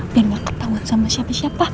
biar gak ketahuan sama siapa siapa